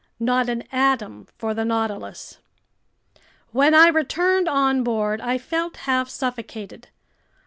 Not an atom for the Nautilus! When I returned on board, I felt half suffocated.